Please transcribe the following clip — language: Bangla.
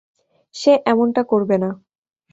সে এমনটা করবে না।